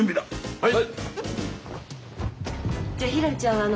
はい。